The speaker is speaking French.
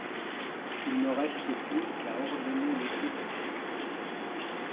Il ne reste plus qu'à ordonner l'exécution.